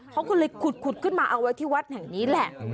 เขาก็เลยขุดขึ้นมาเอาไว้ที่วัดแห่งนี้แหละ